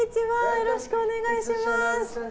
よろしくお願いします。